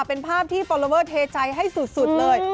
เป็นภาพที่ฟอลลอเวอร์เทใจให้สุดเลย